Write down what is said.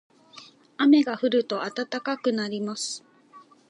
雨が降ると暖かくなります。